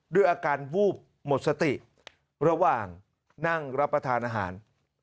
ด้วยอาการวูบหมดสติระหว่างนั่งรับประทานอาหาร